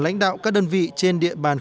lãnh đạo các đơn vị trên địa bàn